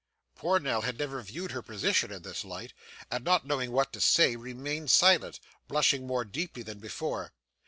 Poor Nell had never viewed her position in this light, and not knowing what to say, remained silent, blushing more deeply than before.